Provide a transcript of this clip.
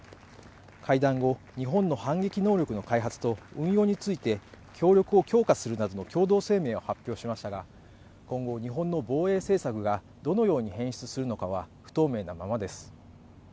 会談後日本の反撃能力の開発と運用について協力を強化するなどの共同声明を発表しましたが今後日本の防衛政策がどのように変質するのかは不透明なままです